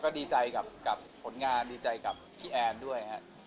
ดีใจกลับกับผลงานดีใจกับพี่แอนด้วย